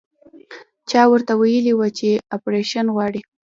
چا ورته ويلي وو چې اپرېشن غواړي.